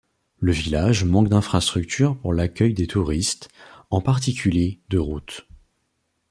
Le village manque d'infrastructures pour l'accueil des touristes, en particulier de routes.